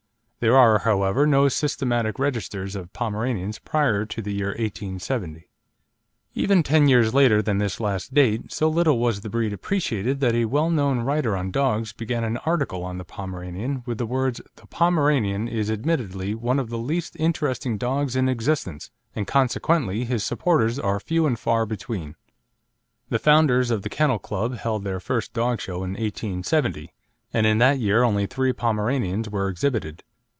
There are, however, no systematic registers of Pomeranians prior to the year 1870. Even ten years later than this last date, so little was the breed appreciated that a well known writer on dogs began an article on the Pomeranian with the words "The Pomeranian is admittedly one of the least interesting dogs in existence, and consequently his supporters are few and far between." The founders of the Kennel Club held their first dog show in 1870, and in that year only three Pomeranians were exhibited.